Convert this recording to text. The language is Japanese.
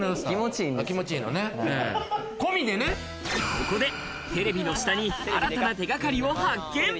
ここで、テレビの下に新たな手掛かりを発見。